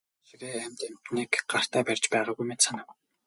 Тэр хэзээ ч энэ тахиа шигээ амьд амьтныг гартаа барьж байгаагүй мэт санав.